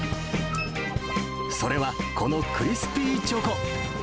それは、このクリスピーチョコ。